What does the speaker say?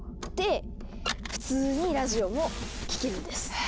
で普通にラジオも聴けるんです！